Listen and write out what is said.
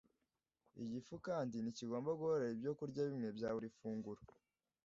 igifu kandi ntikigomba guhorera ibyokurya bimwe bya buri funguro.